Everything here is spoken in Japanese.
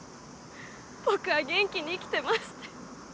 「僕は元気に生きてます」って。